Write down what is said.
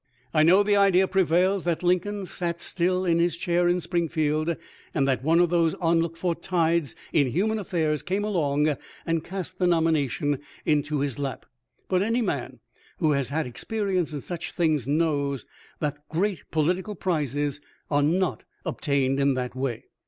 I know the idea prevails that Lincoln sat still in his chair in Springfield, and that one of those unlooked for tides in human affairs came along and cast the nomination into his lap ; but any man who has had experience in such things knows that great political prizes are not obtained in that way.